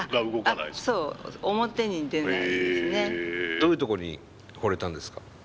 どういうところにほれたんですか。